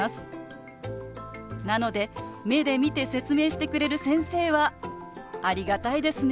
なので目で見て説明してくれる先生はありがたいですね。